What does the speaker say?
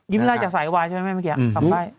ยิ้มละลายจากสายวายใช่ไหมแม่เมื่อกี้กลับไป